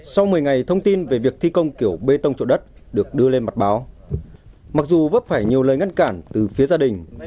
sau một mươi ngày thông tin về việc thi công kiểu bê tông trụ đất được đưa lên mặt báo mặc dù vấp phải nhiều lời ngăn cản từ phía gia đình